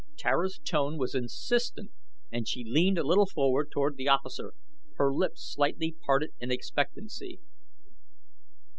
Tara's tone was insistent and she leaned a little forward toward the officer, her lips slightly parted in expectancy.